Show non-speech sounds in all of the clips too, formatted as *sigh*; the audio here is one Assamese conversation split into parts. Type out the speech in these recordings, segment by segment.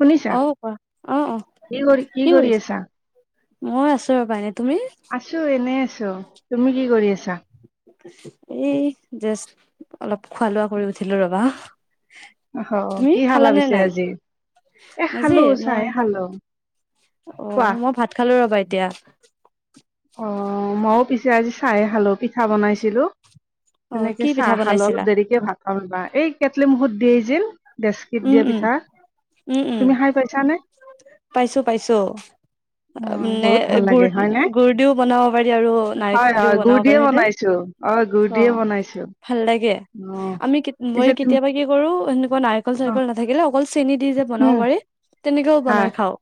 শুনিছা আহ কোৱা। অ অ, কি কৰি কি কৰি কৰিছ? আছা মই আছোঁ ৰবা, এ তুমি? আছোঁ, এনেই আছোঁ। তুমি কি কৰি আছা? এই জেষ্ট অলপ খোৱা লোৱা কৰি উঠিলো ৰবা অ তুমি কি খালা খালানে পিছে নাই? আজি এ আজি খালো চাহে মই খালো অ। কোৱা মই ভাত খালো ৰবা এতিয়া অ মও পিছে আজি চাহে খালো পিঠা বনাইছিলো। অ তেনেকে কি পিঠা চাহ খালো বনাইছিলা? অলপ দেৰিকে ভাত খাম ৰবা এই কেটলি মুখত দিয়েই যেন ডেস্কিট উম দিয়া উম পিঠা উম উম তুমি খাই পাইছানে? পাইছো পাইছো অ মানে বহুত ভাল গুৰ লাগে হয় নে গুৰ দিও বনাও পাৰি, আৰু হয় নাৰিকল দিও হয় গুৰ বনাব পাৰি দিয়ে সেইটো, বনাইছো গুৰ অ। দিয়ে বনাইছো ভাল লাগে, অ আমি মই পিছে তুমি কেতিয়াবা কি কৰোঁ এনেকুৱা নাৰিকল অ চাৰিকল নাথাকিলে অকল চেনি দি যে বনাব উম পাৰি, তেনেকেও হয় বনাই খাওঁ।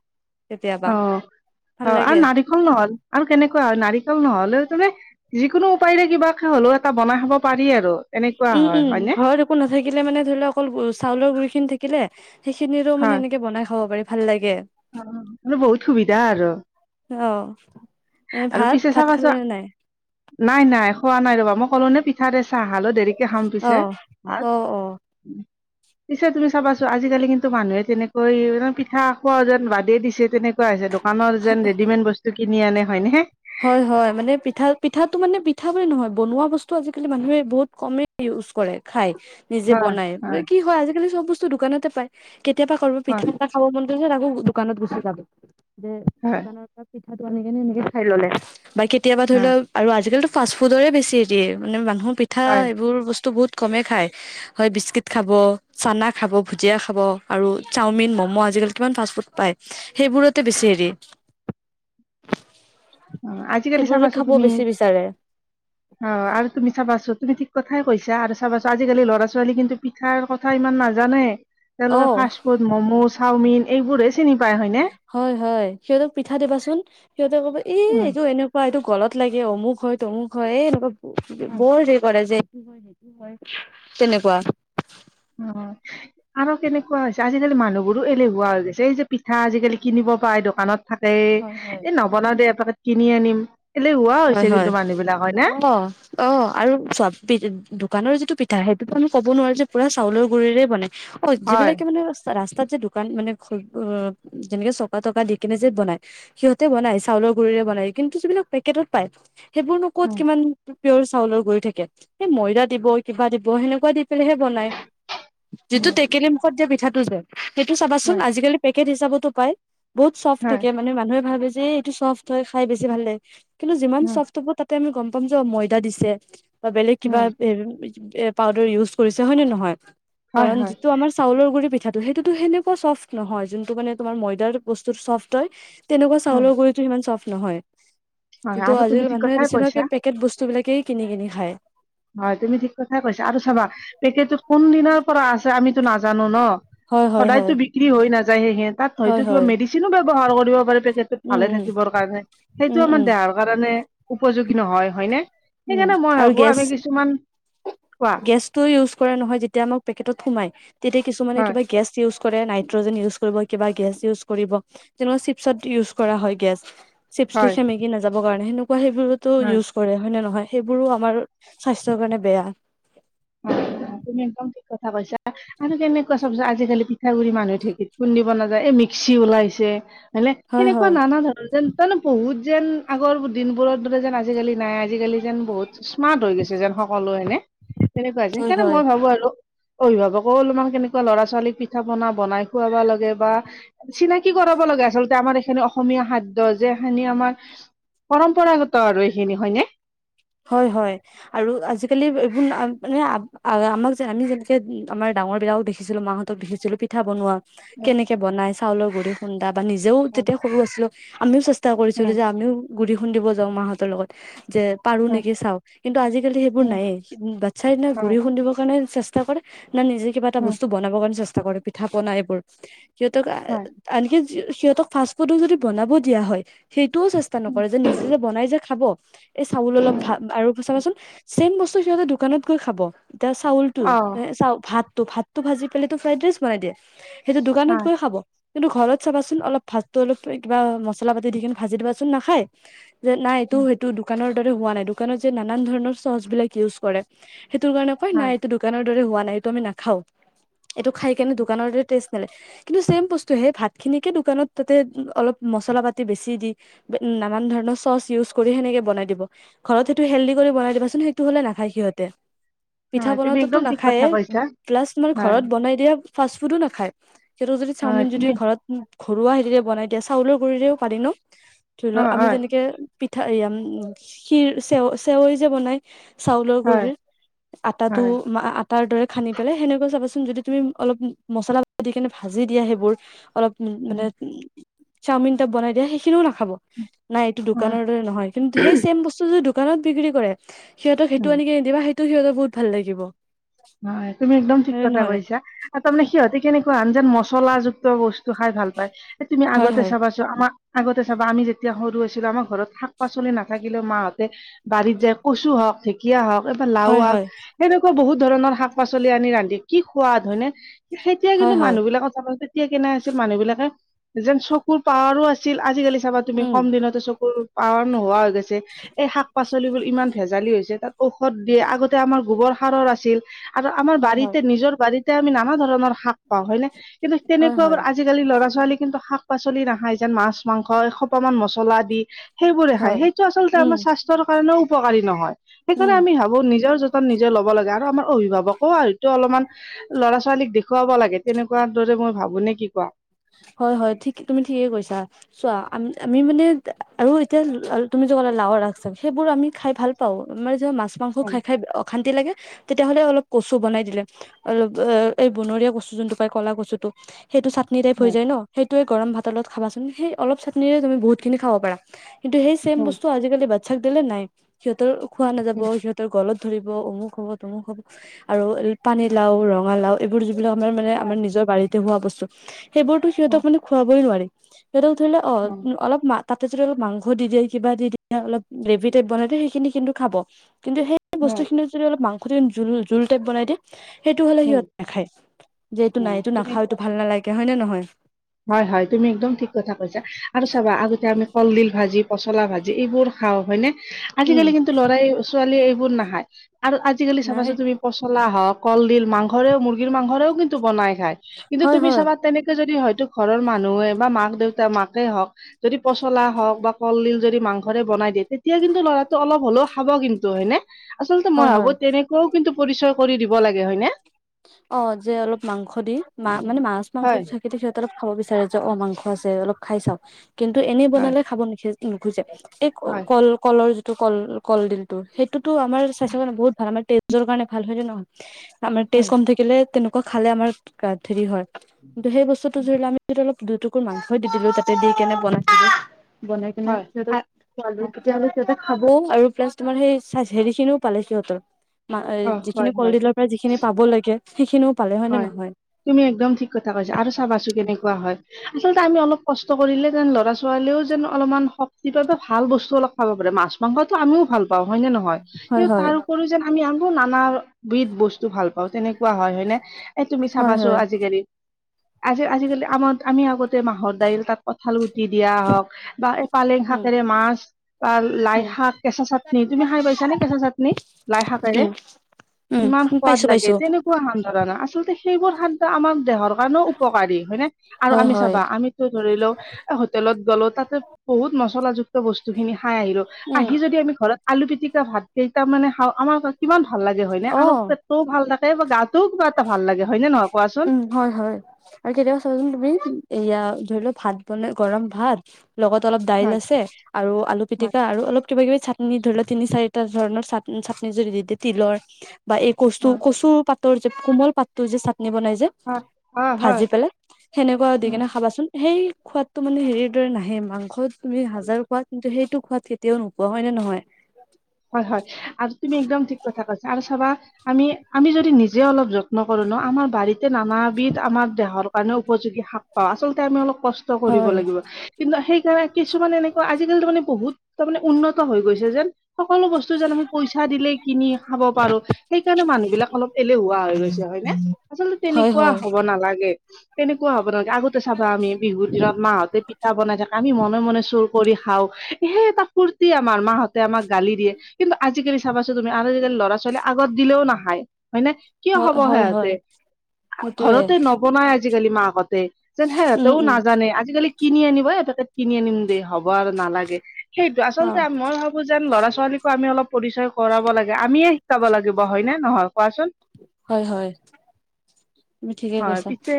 অ। হয়। আৰু নাৰিকল নহল আৰু কেনেকুৱা হয় নাৰিকল নহলেও তাৰ‌ মানে যিকোনো উপায়েৰে কিবাকে হলেও এটা বনাই খাব পাৰি আৰু এনেকুৱা উম হয় উম হয়নে ঘৰত একো নাথাকিলে মানে ধৰি লও অকল চালৰ গুৰি খিনি থা কিলে সেইখিনিতো মানে এনেকে বনাই খাব পাৰি ভাল লাগে। অ আৰু বহুত সুবিধা আৰু। অ এ আৰু ভাত পিছে ভাত খালে চাবাচোন নে নাই? নাই নাই খোৱা নাই ৰবা মই কলো নে পিঠাতে চাহ খালো দেৰিকে খাম অ পিছে ভাত। অ *inaudible* পিছে তুমি চাবাচো আজিকালি কিন্তু মানুহে তেনেকৈ পিঠা খোৱা যেন বাদে দিছে তেনে কোৱা হৈছে দোকানত যেন ৰেডিমেড বস্তু কিনি আনে হয় নে। হয়, হয় মানে পিঠা পিঠাটো মানে পিঠা বুলি নহয়, বনোৱা বস্তু আজিকালি মানুহে বহুত কমে ইউজ কৰে খায়। নিজে বনাই কি হয় আজিকালি চব বস্তু দোকানতে পাই কেতিয়াবা কাৰোবাৰ পিঠা হয় খাব মন কৰিছে তাকো দোকানত গুচি যাব যে হয় দোকানৰ পৰা পিঠাটো আনি কেনে এনেকে ললে বা কেতিয়াবা ধৰি হয় লও আৰু আজিকালো ফাষ্ট ফুডৰে বেছি দিয়ে মানে মানুহ পি পিঠা হয় এইবোৰ বস্তু বহুত কমেই খায়। হয়, বিস্কুট খাব চানা খাব ভুজিয়া খাব আৰু চাওমিন ম'ম' আজিকালি কিমান ফাষ্ট ফুড পায়। সেইবোৰতে বেছি হেৰি অ আজিকালি সেইবোৰে চাবাছোন খাব তুমি বেছি বিচাৰে অ আৰু তুমি চাবাচোন তুমি ঠিক কথাই কৈছা চাবাচো আজিকালি ল'ৰা ছোৱালী কিন্তু পিঠাৰ কথা ইমান নাজানে। অ তেওঁলোকে ফাষ্ট ফুড ম'ম চাওমিন এইবোৰে চিনি পায় হয়নে। হয়, হয় সিহঁতক পিঠা দিবা চোন সিহঁতে কব এ উম এইটো এনে কোৱা এইটো গলত লাগে অমুক হয়, তমুক হয়, এনেকোৱা উম। বৰ হেৰি কৰে যে এইটো হয় এনকা বহুত কৰে যে। তেনেকোৱা। অ। আৰু কেনেকোৱা হৈছে আজিকালি মানুহবোৰো এলেহুৱা হৈ গৈছে এই যে পিঠা আজিকালি কিনিব পাই দোকানত। থাকেই হয় হয় এ নবনাও দে এপাকেত কিনি আনিম এলেহুৱা হয় হৈছে হয় কিন্তু মানুহ বিলাক হয় নে। অ অ আৰু দোকানৰ যিটো পিঠা সেইটো আমি ক'ব নোৱাৰো যে পুৰা চাউলৰ গুৰিৰে বনাই। অ হয় যিবিলাকে মানে ৰাস্তাত যে দোকান মানে যেনেকে চকা তকা দি কিনে যে বনাই সিহঁতে বনাই চাউলৰ গুৰিৰে বনায় কিন্তু যিবিলাক পেকেটত পায় সেইবোৰনো ক'ত উম কিমান পিয়ৰ চাউলৰ গৰি থাকে সেই ময়দা দিব কিবা দিব সেনেকোৱা দি পেলাইহে বনাই উম যিটো টেকেলি মুখত দিয়া পিঠাটো যে, সেইটো চাবাচোন হয় আজিকালি পেকেট হিচাপতো পায়। বহুত চফ্ট হয় থাকে মানে মানুহে ভাবে যে এইটো চফ্ট হয়, চাই বেছি ভাল লাগে কিন্তু যিমান উম চফ্ট হ'ব তাত তেতিয়া আমি গম পাম যে অ ময়দা দিছে বা বেলেগ কিবা উম আছে এ পাউদাৰ ইউজ কৰিছে হয় নে নহয়, হয় কাৰণ হয় যিটো আমাৰ চাউলৰ গুৰি পিঠাটো সেইটোতো সেনেকোৱা চফ্ট নহয়, যোনটো মানে তোমাৰ ময়দাৰ বস্তুটো চফ্ট হয়। তেনেকোৱা উম চালৰ গুৰিটো সিমান চফ্ট নহয়। হয় কিন্তু আৰু তুমি আজিকালি ঠিক মানুহে কথাই কৈছা বেছিভাগে পেকেট বস্তুবিলাকে কিনি কিনি খায়। হয়, তুমি ঠিক কথাই কৈছা আৰু চাবা পেকেটটো কোন দিনৰ পৰা আছে আমিতো নাজানো ন। হয় হয় হয় সদায়তো বিক্ৰী হৈ নাযায়হে হে তাত হয়তো হয় কিবা হয় মেডিচিনো ব্যৱহাৰ কৰিব পাৰে পে ক্ষেত্ৰত উম ভালে উম থাকিবৰ কাৰণে সেইটো উম আমাৰ উম দেহাৰ। কাৰণে উপযোগী নহয়, হয়নে উম সেইকাৰণে মই আৰু ভাবো গেছ আমি কিছুমান কোৱা গেছটো ইউজ কৰা নহয়, যেতিয়া আমাৰ পেকেটত সোমাই তেতিয়া কিছুমানে হয় কিবা গেছ ইউজ কৰে নাইট্ৰজেন ইউজ কৰিব, কিবা গেছ ইউজ কৰিব। যেনেকোৱা চিপছত ইউজ কৰা হয় গেছ। চিপতটো হয় সেমেকি নাযাবৰ কাৰণে সেনেকোৱা সেইবোৰতো হয় ইউজ কৰে। হয়নে, নহয়, সেইবোৰো আমাৰ স্বাস্থ্যৰ কাৰণে বেয়া। অ-অ, তুমি একদম ঠিক কথা কৈছা আৰু কেনে কস্ট সবছে আজিকালি পিঠাগুৰি মানুহে ঢেঁকীত খুন্দিব নাযায়, এই মিক্সি ওলাইছে। মানে হয় সেনেকুৱা হয় নানা ধৰণ যেন, তাৰমানে বহুত যেন, আগৰ দিনবোৰৰ দৰে যেন আজিকালি নাই। আজিকালি যেন বহুত স্মাৰ্ট হৈ গৈছে যেন সকলো হয়নে? তেনেকুৱা হৈছে, হয় সেইকাৰণে হয় মই ভাবো আৰু। অভিভাৱক অলপমান কেনেকুৱা ল'ৰা- ছোৱালীক পিঠা পনা বনাই খোৱাব লাগে বা চিনাকি কৰাব লাগে। আচলতে আমাৰ এইখিনি অসমীয়া খাদ্যৰ যে, এইখিনি আমাৰ পৰম্পৰাগত আৰু এইখিনি হয় নে? হয়-হয়। আৰু আজিকালি এইবোৰ মানে আ আমাক যে, আমি যেনেকে আমাৰ ডাঙৰ বিলাকও দেখিছিলোঁ, মাহঁতক দেখিছিলো। ছিলো পিঠা বনোৱা। কেনেকে বনাই? চাউলৰ গুড়ি খুন্দা বা নিজেও হয় যেতিয়া সৰু আছিলো। আমিও চেষ্টা- চেষ্টা কৰিছিলো হয় যে, আমিও গুড়ি খুন্দিব যাওঁ, মাহঁতৰ লগত। যে পাৰো নেকি চাওঁ? কিন্তু আজিকালি সেইবোৰ হয় নাইয়ে। বাচ্ছা এটা গুড়ি হয় খুন্দিবৰ কাৰণে চেষ্টা চেষ্টা কৰে না নিজে কিবা এটা বস্তু বনাব কাৰণে চেষ্টা কৰে, পিঠা-পনা এইবোৰ। সিহঁতক হয় আনকি সিহঁতক ফাষ্ট ফুডো যদি বনাব দিয়া হয় সেইটোও চেষ্টা হয় নকৰে। যে নিজে যে বনাই যে খাব। এই চাউল অলপ ভা আৰু চাবাচোন চেম বস্তু সিহঁতে দোকানত গৈ খাব। এতিয়া অ চাউলটো, চাওঁক ভাতটো, ভাতটো ভাজি পেলায় টো ফ্ৰাইড ৰাইচ বনাই দিয়ে। সেইটো দোকানত হয় গৈ খাব। কিন্তু ঘৰত চাবাচোন অলপ ভাতটো, অলপ কিবা মছলা পাতি দি কিনে ভাজি দিবাচোন নাখায়। যে নাই এইটো হয় সেইটো দোকানৰ দৰে হোৱা নাই। দোকানত যে নানান ধৰণৰ চচ বিলাক ইউচ কৰে। সেইটো কাৰণে উপায় নাই হয় এইটো দোকানৰ দৰে হোৱা নাই। এইটো আমি নাখাওঁ। এইটো খাই কেনে দোকানৰ দৰে টেষ্ট বেলেগ কিন্তু চেম বস্তু হে ভাত খিনিকে দোকানত তাতে অলপ মছলা পাতি বেছি দি নানান ধৰণৰ চচ ইউজ কৰি সেনেকে বনাই। দিব। ঘৰত সেইটো হেল্ডদি কৰি বনাই দিবাচোন, সেইটো হ'লে নাখায় সিহঁতে। পিঠা হয় তুমি বনাততো একদম ঠিক নাখায়ে, কথা কৈছা প্লাছ মই হয় ঘৰত বনাই দিয়া ফাষ্ট ফুডো নাখায়। সিহঁতক যদি হয় চাওমিন যদি তুমি ঘৰত ঘৰুৱা হেৰিৰে বনাই দিয়া, চাউলৰ গুড়িৰেও পাৰি ন। ধৰি লওঁক হয় আমি হয় যেনেকে- পিঠা এৰিয়াম, খিৰ, চে চেৱৈ যে বনাই। চাউলৰ হয় গুড়িৰৰ আটাতো হয় আ তাৰ দৰে সানি পেলাই, সেনেকৈ চাবচোন যদি তুমি অলপ মচলা দি কেনে ভাজি দিয়া, সেইবোৰ অলপ। উম' মানে উম' চাওমিন টপ বনাই দিয়া সেইখিনিও নাখাব। নাই এইটো হয় দোকানৰ দৰে নহয়। কিন্তু সেই চেম বস্তু যদি দোকানত বিক্ৰী কৰে, সিহঁতক সেইটো আনিকেনে দিবা, সেইটো সিহঁতক বহুত ভাল লাগিব। হয়, তুমি একদম ঠিক হয়নে কথা নহয় কৈছা। তাত তাৰমানে সিহঁতি কেনেকুৱা আজ্ঞাত মছলাযুক্ত বস্তু খাই ভাল পায়। এ তুমি হয় আগতে হয় চাবাচোন। টো আমাক আগতে চাবা আমি যেতিয়া সৰু আছিলো, আমাৰ ঘৰত শাক-পাচলি নাথাকিলেও মাহঁতে - বাৰীত যায় কচু হওঁক, ঢেঁকীয়া হওঁক। এ লাও হয় আগ, হয় সেনেকুৱা বহুত ধৰণৰ শাক-পাচলি আনি ৰান্ধি কি সোৱাদ হয়নে। তেতিয়াই হয় কিন্তু হয় মানুহ বিলাকত চাব দে তেতিয়া কেনে আছিল মানুহ বিলাকে, যেন চকুৰ পাৱাৰো আছিল। আজিকালি চাবা তুমি উম কম দিনতে চকুৰ পাৱাৰ নোহোৱা হৈ গৈছে। এই শাক-পাচলিবোৰ ইমান ভেজালি হৈছে তাত ঔষধ দিয়ে। আগতে আমাৰ গোৱৰ সাৰৰ আছে। আছিল। আৰু আমাৰ হয় হয় বাৰীতে, নিজৰ বাৰীতে, আমি নানা ধৰণৰ শাক পাওঁ, হয় নে? কিন্তু হয় তেনেকুৱা হয় আ- আজিকালি ল'ৰা-ছোৱালী কিন্তু শাক-পাচলি নাখায়, যেন মাছ মাংস এসোপামান মছলা দি সেইবোৰে খাই, হয় সেইটো আচলতে উম আমাৰ স্বাস্থ্যৰ কাৰণেও উপকাৰী নহয় সেইকাৰণে উম আমি ভাবোঁ', নিজৰ যতন নিজে ল'ব লাগে আৰু আমাৰ অভিভাৱকো সেইটো অলপমান', ল'ৰা ছোৱালীক দেখুৱাব লাগে তেনেকুৱা দৰে মই ভাবোঁ নে কি কোৱা? হয়', হয়', ঠিক', তুমি ঠিকে কৈছা', চোৱা আ আমি মানে আৰু এতিয়া তুমি যে ক'লা লাওৰ আগ-চাগ, সেইবোৰ আমি খাই ভাল পাওঁ, আমাৰ যে মাছ মাংস উম খাই-খাই অশান্তি লাগে। তেতিয়াহ'লে অলপ কচু বনাই দিলে, অ, এই বনৰীয়া কচু যোনটো পাই ক'লা কচুটো সেইটো চাতনি চাটনি টাইপ হৈ যায় ন। সেইটোৱে গৰম ভাতৰ লগত খাবাচোন। সেই অলপ চাটনিৰে তুমি বহুত খিনি খাব পাৰা। কিন্তু সেই ছেম উম বস্তু আজিকালি বাচ্ছাক দিলে নাই সিহঁতৰ খোৱা নাযাব, উম সিহঁতৰ গলত', ধৰিব, অমুক হ'ব, তুমুক হ'ব আৰু পানী উম লাও, ৰঙা লাও', এইবোৰ যিবিলাক আমাৰ মানে, আমাৰ নিজৰ বাৰীতে হোৱা বস্তু সেইবোৰতো উম সিহঁতক মানে খুৱাবই নোৱাৰি, ' সিহঁতে ধৰিল অ', - উম', অলপ মাত', তাতে যদি অলপ মাংস দি দিয়ে, কিবা দি দিয়ে, অলপ গ্ৰেভি টাইপ বনাই দিয়ে সেইখিনি কিন্তু খাব, কিন্তু সেই', এই উম বস্তু খিনি যদি অলপ মাংসদি জোল-জোল টাইপ বনাই দিয়ে', সেইটো হ'লে উম সিহঁত নাখায়, যে এইটো উম নাই এইটো তুমি নাখাওঁ এইটো ভাল নালাগে হয় নে নহয়', হয়', হয়', তুমি একদম ঠিক কথা কৈছা আৰু চাবা আগতে আমি কলডিল ভাজি পচলা ভাজি এইবোৰ', খাওঁ হয় নে, উম আজিকালি কিন্তু ল'ৰাই ছোৱালীয়ে এইবোৰ নাখায় আৰু আজিকালি নাই চাবাচোন তুমি', পচলা হওঁক, কলডিল মাংসৰেও মুৰ্গীৰ মাংসৰেও কিন্তু বনাই খায় কিন্তু হয় তুমি হয় চাবা তেনেক', যদি হয়তো ঘৰৰ মানুহে বা মাক দেউতা মাকে হওঁক', যদি পচলা হওঁক বা কলডিল যদি মাংসৰে বনাই দিয়ে তেতিয়া কিন্তু ল'ৰাটো অলপ হলেও খাব কিন্তু হয়নে', আচলতে হয় মই হয়। ভাবোঁ তেনেকুৱাও কিন্তু পৰিচয় কৰি দিব লাগে হয় নে', অ', যে অলপ মাংস দিওঁ, মা', -মানে মাছ মাংস হয়, থ', কিন্তু সিহঁত অলপ খাব বিচাৰে যে অ', মাংস আছে অলপ খাই চাওঁক', কিন্তু এনেই হয়, বনালে খাব নিখজ-নুখুজে এই ক', হয়, -কল', কলৰ যিটো কল-কলডিলটো সেইটোতো আমাৰ স্বাস্থ্যৰ কাৰণে বহুত ভাল আমাৰ তেজৰ কাৰণে ভাল হয় নে নহয়', আমাৰ তেজ হয়, কম থাকিলে, তেনেকুৱা খালে আমাৰ গাত হেৰি হয় কিন্তু সেই বস্তুটো', সেইটো ধৰিলোৱা আমি দুটুকুৰ মাংসই দি দিলোঁ তাতে দি কেনে বনাইছিলোঁ', বনাই কিনে হয়, সিহঁতক আ খোৱালো অ', তেতিয়াহ'লে', সিহঁতে খাবও আৰু প্লাছ তোমাৰ সেই হেৰি খিনিও পালে সিহঁতৰ', মা', - এই', অ', হয়, যিখিনি হয়। কলডিলৰ পৰা যিখিনি পাব লাগে সেইখিনিও পালে হয় নে নহয়', তুমি একদম ঠিক কথা কৈছা আৰু চাবাচোন কেনেকুৱা হয়', আচলতে আমি অলপ কষ্ট কৰিলে যেন ল'ৰা ছোৱালীও যেন অলপমান শক', কেতিয়াবা ভাল বস্তু অলপ খাব পাৰে মাছ মাংসটো আমিও ভাল পাওঁ হয় নে নহয় হয় কিন্ত হয় তাৰ উপৰিও যেন', আমি আকৌ নানা বিধ বস্তু ভাল পাওঁ তেনেকুৱা হয়', - হয় নে', এই', তুমি হয় চাবাচো হয় আজিকালি, আজি-আজিকালি আমাৰ, আমি আগতে মাহৰ দাইল তাত', কঁঠাল গুটি দিয়া হওঁক বা এই পালেং উম শাকেৰে মাছ', তা', লাই উম শাক কেঁচা চাটনি তুমি খাই পাইছানে কেঁচা চাটনি লাইশাকেৰে', উম ইমান উম সোৱাদ পাইছো লাগে পাইছো তেনেকু', খোৱা মান ধাৰণা আচলতে সেইবোৰ খাদ্য আমাৰ দেহৰ কাৰণেও উপকাৰী হয় নে আৰু হয় আমি হয় চাবা আমি', ত', ধৰি লও, এই হোটেলত গ'লো তাতে বহুত মছলা যুগ', যুগত, বস্তু খিনি খাই আহিলোঁ, উম আহি যদি আমি ঘৰত আলু পিটিকা ভাত কেইটা মানে খাওঁ আমাৰ', কিমান ভাল লাগে হয়নে আন অ পেটটোও ভাল থাকে বা গাটোও কিবা এটা ভাল লাগে হয়নে নহয়', কোৱাচোন উম', হয়', - হয়', আৰু কেতিয়াবা চাবাচোন তুমি এয়া ধৰি লোৱা ভাত বনাই গৰম ভাত', লগত অলপ দাইল হয় আছে', আৰু আলু হয় পিটিকা আৰু অলপ কিবা কিবি চাটনি, ধৰি লোৱা তিনি চাৰিটা ধৰণৰ চাটনি যদি দি দিয়ে তিলৰ', বা এই কচতু', হয় -কচু পাতৰ যে কোমল পাতটো যে চাটনি বনাই যে', হয় হয় ভাজি পেলাই, সেনেকুৱা দি হয় কেনে খাবাচোন', সেই খোৱাদটো মানে হেৰিৰ দৰে নাহে মাংস তুমি হাজাৰ খোৱ কিন্তু সেইটো খোৱাদ', তেওঁ নোপোৱা হয় নে নহয়? হয় হয় আজি তুমি একদম ঠিক কথা কৈছা আৰু চাবা আমি আমি যদি নিজে অলপ। নকৰো ন আমাৰ বাৰীতে নানাবিধ আমাৰ দেহৰ কাৰণে উপযোগী শাক পাওঁ আচলতে আমি অলপ কষ্ট। কষ্ট কৰিব হয়, লাগিব কিন্তু সেইকাৰণে কিছুমান এনেকুৱা আজিকালি মানে বহুত তাৰ মানে উন্নত হৈ গৈছে যেন সকলো বস্তু যেন আমি পইচা দিলে কিনি খাব পাৰো। সেইকাৰণে মানুহ বিলাক অলপ এলেহুৱা হৈ গৈছে হয়নে আচলতে হয় তেনেকুৱা হয়, হ'ব নালাগে', তেনেকুৱা হ'ব নহয়, আগতে চাব আমি বিহুৰ দিনত', মাহঁতে পিঠা বনাই থাকে আমি মনে মনে চুৰ কৰি খাওঁ সেই এটা ফুৰ্তি আমাৰ মাহঁতে আমাক', গালি দিয়ে, কিন্তু আজিকালি চাবাচোন তুমি আৰু আজিকালি ল'ৰা ছোৱালী আগত দিলেও নাখায়, হয় নে', কিয় হয় হবহে হয় হয় আজি সেইটোয়ে ঘৰতে নবনাই আজিকালি মাকহতে যেন হে উম সিহঁতেও উম নাজানে আজিকালি কিনি আনিব ঐ পেকেট কিনি আনিম দেই হ'ব আৰু নালাগে সেইটো অ আচলতে মই ভাব যেন ল'ৰা ছোৱালীকো আমি অলপ পৰিচয় কৰাব লাগে আমিয়ে শিকাব লাগিব হয়নে নহয় কোৱাচোন হয় হয় তুমি ঠিকেই হয় কৈছা পিছে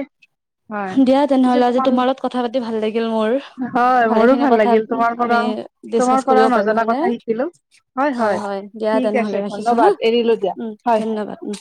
হয় দিয়া পিছে তেনেহলে আজি তোমাৰ লগত কথা পাতি ভাল লাগিল মোৰ হয় ভালে মোৰো খিনি ভাল কথা লাগিল তোমাৰ আমি পৰাও তোমাৰ ডিছকচ কৰিব পৰাও পাৰিলো নজনা হয় নে? কথা শিকিলো হয় হয় দিয়া ঠিক তেনেহলে আছে ৰাখিছো হা ধন্যবাদ এৰিলো দিয়া উম হয় ধন্য বাদ উম।